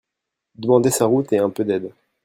Demander sa route et un peu d'aide.